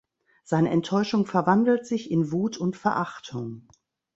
Seine Enttäuschung verwandelt sich in Wut und Verachtung.